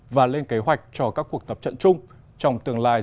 và lên kế hoạch cho các cuộc tập trận chung